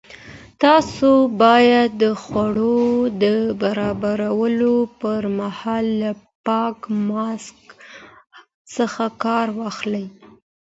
تاسو باید د خوړو د برابرولو پر مهال له پاک ماسک څخه کار واخلئ.